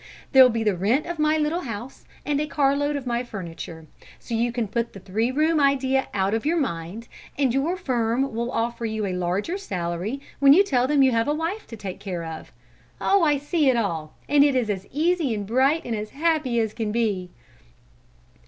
There'll be the rent of my little house and a carload of my furniture, so you can put the three room idea out of your mind, and your firm will offer you a larger salary when you tell them you have a wife to take care of. Oh, I see it all, and it is as easy and bright and happy as can be!"